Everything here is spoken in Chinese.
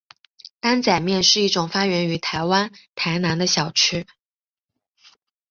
担仔面是一种发源于台湾台南的小吃。